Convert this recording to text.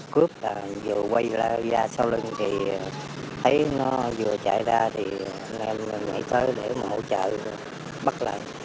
cướp vừa quay ra sau lưng thì thấy nó vừa chạy ra thì ngay tới để hỗ trợ bắt lại